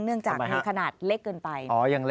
นึกจากมันด้วยคำนาคเล็กเกินไป